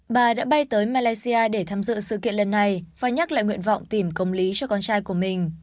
bà đã bay tới malaysia để tham dự sự kiện lần này và nhắc lại nguyện vọng tìm công lý cho con trai của mình